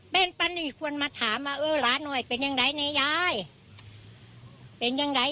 เป็นตอนนี้ควรมาถามว่าเออหลานหน่อยเป็นอย่างไรนะยาย